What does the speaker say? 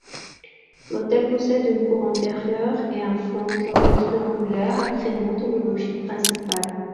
L'hôtel possède une cour antérieure et un fronton triangulaire agrémente le logis principal.